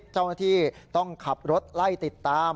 เจ้าหน้าที่ต้องขับรถไล่ติดตาม